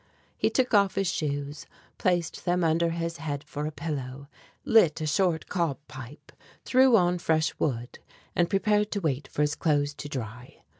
He took off his shoes, placed them under his head for a pillow, lit a short cob pipe, threw on fresh wood, and prepared to wait for his clothes to dry.